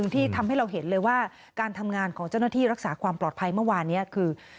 ที่ทำให้เราเห็นเลยว่าการทำงานของเจ้าหน้าที่รักษาความปลอดภัยเมื่อวานนี้คือ